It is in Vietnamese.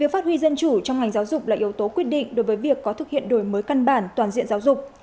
việc phát huy dân chủ trong ngành giáo dục là yếu tố quyết định đối với việc có thực hiện đổi mới căn bản toàn diện giáo dục